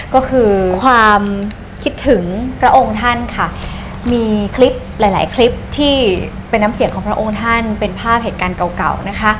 ก็คือความคิดถึงพระองค์ท่านค่ะมีคลิปหลายหลายคลิปที่เป็นน้ำเสียงของพระองค์ท่านเป็นภาพเหตุการณ์เก่าเก่านะคะ